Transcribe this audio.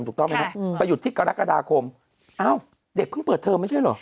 ถูกต้องไหมครับไปหยุดที่กรกฎาคมอ้าวเด็กเพิ่งเปิดเทอมไม่ใช่เหรอ